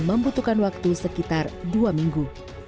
membutuhkan waktu sekitar dua minggu